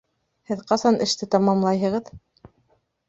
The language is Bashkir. Һеҙ ҡасан эште тамамлайһығыҙ?